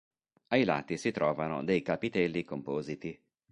Ai lati si trovano dei capitelli compositi.